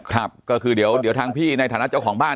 ครับก็คือเดี๋ยวทางพี่ในฐานะเจ้าของบ้าน